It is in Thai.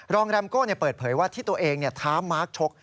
แรมโก้เปิดเผยว่าที่ตัวเองท้ามาร์คชก